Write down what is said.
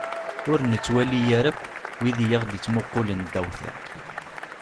Ur nettwali ara akk wid i aɣ-d-yettmuqulen ddaw tiṭ.